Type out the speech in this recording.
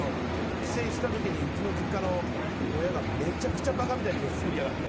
帰省した時に親がめちゃくちゃ馬鹿みたいに飯作りやがって。